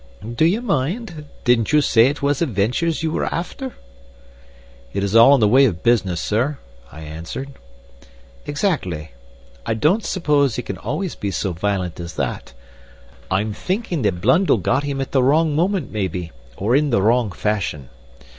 "Do you mind? Didn't you say it was adventures you were after?" "It is all in the way of business, sir," I answered. "Exactly. I don't suppose he can always be so violent as that. I'm thinking that Blundell got him at the wrong moment, maybe, or in the wrong fashion.